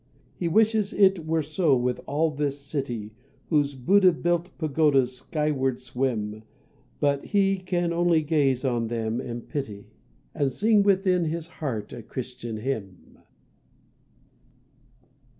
He wishes it were so with all this city Whose Buddha built pagodas skyward swim; But he can only gaze on them and pity And sing within his heart a Christian hymn.